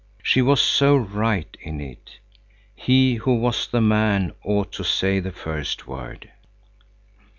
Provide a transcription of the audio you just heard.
She was so right in it. He who was the man ought to say the first word.